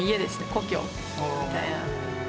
故郷みたいな。